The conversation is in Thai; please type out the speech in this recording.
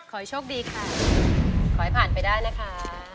ขอให้โชคดีค่ะขอให้ผ่านไปได้นะคะ